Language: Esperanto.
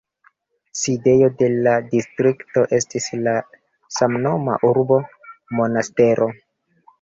Sidejo de la distrikto estis la samnoma urbo Monastero.